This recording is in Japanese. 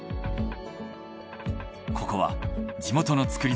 ここは地元の造り